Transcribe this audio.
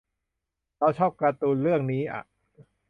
เราชอบการ์ตูนเรื่องนี้อ่ะ